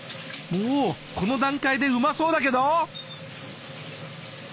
もうこの段階でうまそうだけど！